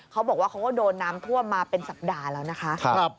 เขาก็โดนน้ำท่วมมาเป็นสัปดาห์แล้วนะคะ